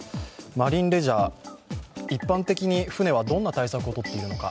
マリンレジャー、一般的に船はどんな対策をとっているのか。